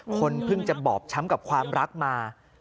คนเพิ่งจะบอบช้ำกับความรักมา